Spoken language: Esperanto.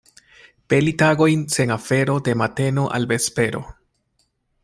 Peli tagojn sen afero de mateno al vespero.